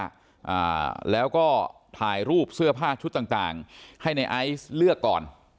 อ่าแล้วก็ถ่ายรูปเสื้อผ้าชุดต่างต่างให้ในไอซ์เลือกก่อน